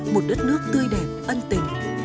một đất nước tươi đẹp ân tình